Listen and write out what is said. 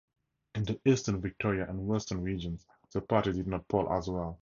In the Eastern Victoria and Western Regions, the party did not poll as well.